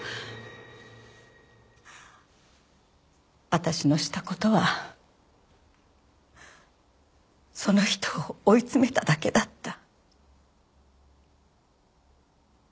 私のした事はその人を追い詰めただけだった。